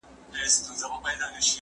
زه به کاغذ ترتيب کړي وي.